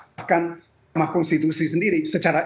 bahkan mahkonstitusi sendiri secara